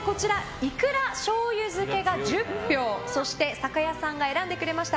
いくら醤油漬が１０票そして酒屋さんが選んでくれました